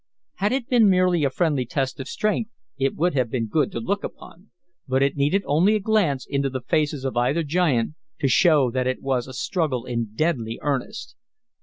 Had it been merely a friendly test of strength it would have been good to look upon. But it needed only a glance into the faces of either giant to show that it was a struggle in deadly earnest.